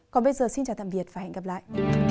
còn bây giờ xin chào tạm biệt và hẹn gặp lại